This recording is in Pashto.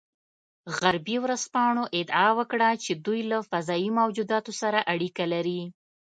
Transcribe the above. غربي ورځپاڼو ادعا وکړه چې دوی له فضايي موجوداتو سره اړیکه لري